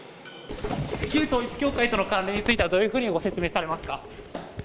旧統一教会との関連については、どういうふうにご説明されますか。